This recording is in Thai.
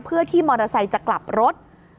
เพื่อที่มอเตอร์ไซค์จะกลับรถ